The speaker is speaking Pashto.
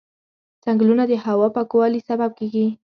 ځنګلونه د هوا پاکوالي سبب کېږي.